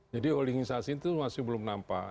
jadi holdingisasi itu masih belum nampak